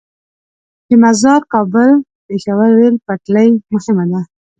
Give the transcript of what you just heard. د مزار - کابل - پیښور ریل پټلۍ مهمه ده